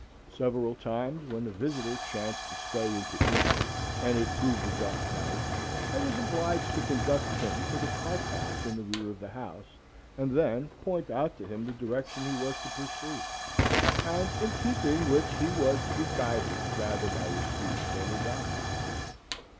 Several times, when a visitor chanced to stay into evening, and it proved a dark night, I was obliged to conduct him to the cart path in the rear of the house, and then point out to him the direction he was to pursue, and in keeping which he was to be guided rather by his feet than his eyes.